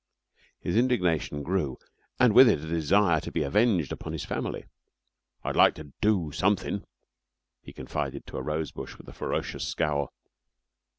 His indignation grew and with it a desire to be avenged upon his family. "I'd like to do somethin'," he confided to a rose bush with a ferocious scowl.